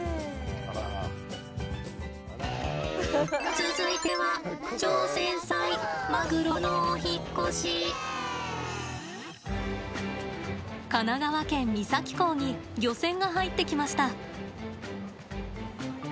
続いては神奈川県三崎港に漁船が入ってきました。